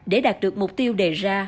để đạt được mục tiêu đề ra